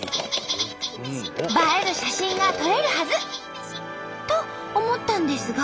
映える写真が撮れるはず！と思ったんですが。